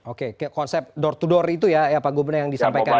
oke konsep door to door itu ya pak gubernur yang disampaikan